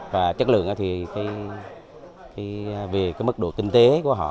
và chất lượng thì về cái mức độ kinh tế của họ